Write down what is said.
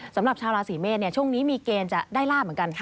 สำหรับชาวราศีเมษช่วงนี้มีเกณฑ์จะได้ลาบเหมือนกัน